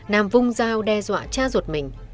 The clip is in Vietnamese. nam vung giao đe dọa cha ruột mình